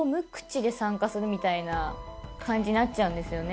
みたいな感じになっちゃうんですよね。